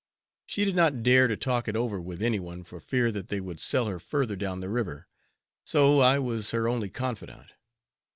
She did not dare to talk it over with anyone for fear that they would sell her further down the river, so I was her only confidant.